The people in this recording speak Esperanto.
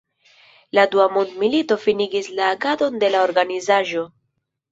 La Dua Mondmilito finigis la agadon de la organizaĵo.